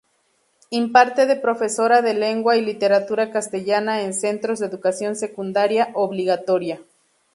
Imparte de profesora de lengua y literatura castellana en centros de educación secundaria obligatoria.